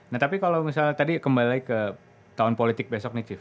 nah tapi kalau misalnya tadi kembali ke tahun politik besok nih cv